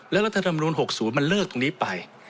แล้วรัฐธรรมนูล๖๐มันเลิกตรงนี้ไป